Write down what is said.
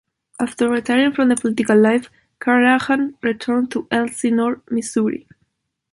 After retiring from the political life, Carnahan returned to Ellsinore, Missouri.